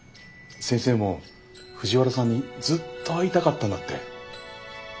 先生も藤原さんにずっと会いたかったんだって。